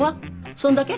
そんだけ？